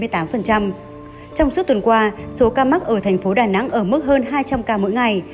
trong suốt tuần qua số ca mắc ở thành phố đà nẵng ở mức hơn hai trăm linh ca mỗi ngày